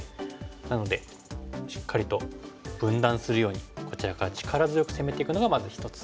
なのでしっかりと分断するようにこちらから力強く攻めていくのがまず一つ。